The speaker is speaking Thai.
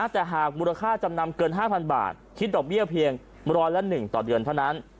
แต่หากมูลค่าจำนำเกิน๕๐๐บาทคิดดอกเบี้ยเพียงร้อยละ๑ต่อเดือนเท่านั้น